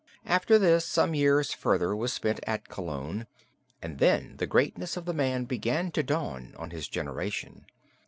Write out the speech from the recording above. After this some years further were spent at Cologne and then the greatness of the man began to dawn on his generation.